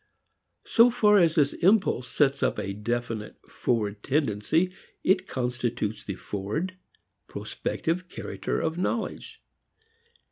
So far as this impulse sets up a definite forward tendency it constitutes the forward, prospective character of knowledge.